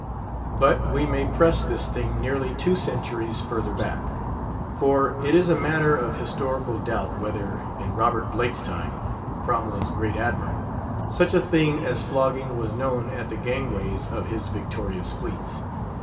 But we may press this thing nearly two centuries further back, for it is a matter of historical doubt whether, in Robert Blake's time, Cromwell's great admiral, such a thing as flogging was known at the gangways of his victorious fleets.